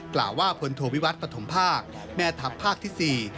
กล่าวว่าพลโทวิวัตรปฐมภาคแม่ทัพภาคที่๔